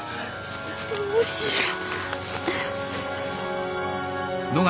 どうしよう。